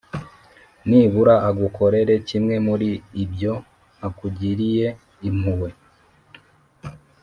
nibura agukorere kimwe muri ibyo akugiriye impuhwe